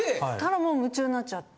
もう夢中になっちゃって。